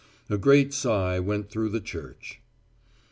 A great sigh went through the Church.